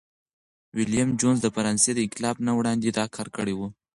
ویلیم جونز د فرانسې د انقلاب نه وړاندي دا کار کړی و.